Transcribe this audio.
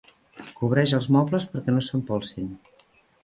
Cobreix els mobles perquè no s'empolsin.